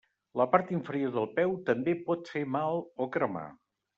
La part inferior del peu també pot fer mal o cremar.